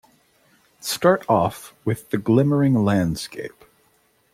Start off with the glimmering landscape.